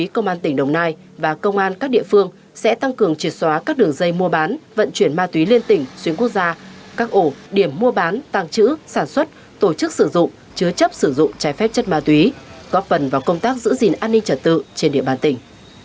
công an tỉnh đồng nai và công an các địa phương sẽ tăng cường triệt xóa các đường dây mua bán vận chuyển ma túy liên tỉnh xuyên quốc gia các ổ điểm mua bán tăng trữ sản xuất tổ chức sử dụng chứa chấp sử dụng trái phép chất ma túy góp phần vào công tác giữ gìn an ninh trật tự trên địa bàn tỉnh